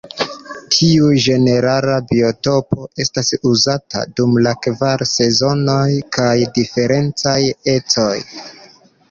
Tiu ĝenerala biotopo estas uzata dum la kvar sezonoj por diferencaj ecoj.